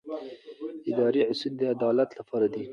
اداري اصول د عدالت لپاره دي.